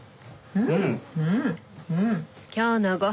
うん！